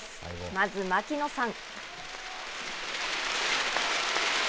まず槙野さん。